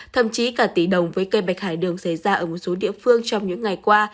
thậm chí cả tỷ đồng với cây bạch hải đường xảy ra ở một số địa phương trong những ngày qua